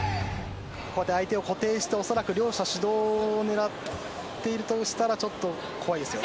ここで相手を固定して、恐らく両者指導を狙っているとしたら、ちょっと怖いですよ。